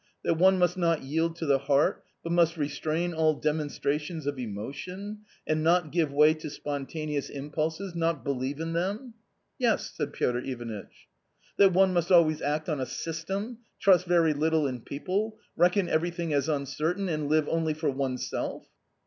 That one must not yield to the heart, but must restrain all demonstrations of emotion, and not give way to spontaneous impulses, not believe in them ?" "Yes," said Piotr Ivanitch. " That one must always act on a system, trust very little in people, reckon everything as uncertain, and live only for oneself?"